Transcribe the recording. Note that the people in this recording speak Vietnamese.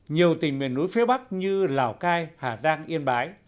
nhiều tỉnh miền núi phía bắc như lào cai hà giang yên bái